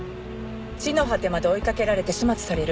地の果てまで追いかけられて始末される。